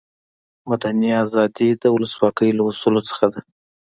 مدني آزادي د ولسواکي له اصولو څخه ده.